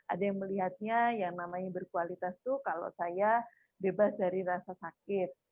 ada yang melihatnya yang namanya berkualitas itu kalau saya bebas dari rasa sakit